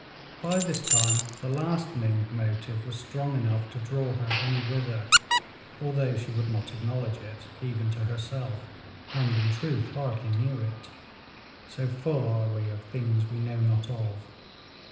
By this time the last named motive was strong enough to draw her any whither, although she would not acknowledge it, even to herself, and in truth hardly knew it; so full are we of things we know not of.